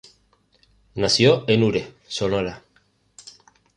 Nació en Ures, Sonora.